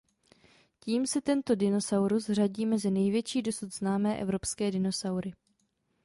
Tím se tento dinosaurus řadí mezi největší dosud známé evropské dinosaury.